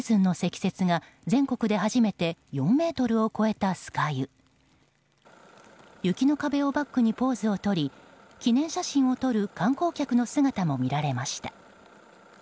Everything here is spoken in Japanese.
雪の壁をバックにポーズをとり記念写真を撮る観光客の姿も見られました。